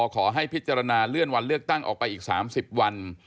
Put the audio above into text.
ขอให้พิจารณาเลื่อนวันเลือกตั้งออกไปอีก๓๐วัน